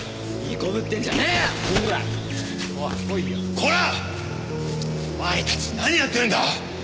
コラッ！お前たち何やってるんだ！？